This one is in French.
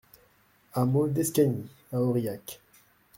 Hameau d'Escanis à Aurillac